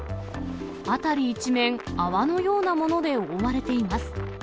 辺り一面、泡のようなもので覆われています。